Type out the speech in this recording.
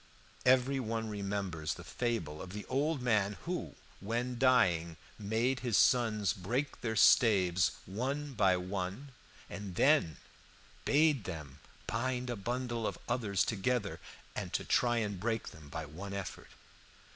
Every one remembers the fable of the old man who, when dying, made his sons break their staves one by one, and then bade them bind a bundle of others together, and to try and break them by one effort.